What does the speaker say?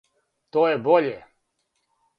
То је боље?